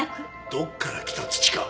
どこから来た土か